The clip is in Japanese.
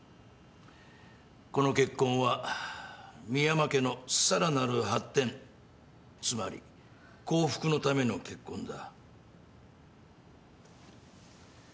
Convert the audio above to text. この結婚は深山家のさらなる発展つまり幸福のための結婚だ。